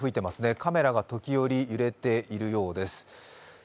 カメラが時折、揺れているようです。